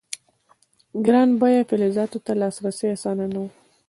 ګران بیه فلزاتو ته لاسرسی اسانه نه و.